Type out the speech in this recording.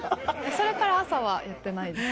それから朝はやってないです。